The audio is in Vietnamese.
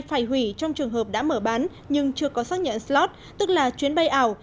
phải hủy trong trường hợp đã mở bán nhưng chưa có xác nhận slot tức là chuyến bay ảo